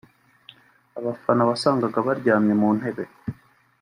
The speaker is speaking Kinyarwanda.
abafana wasangaga baryamye mu ntebe